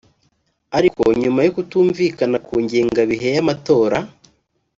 ariko nyuma yo kutumvikana ku ngengabihe y’amatora